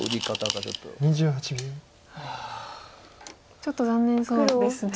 ちょっと残念そうですね。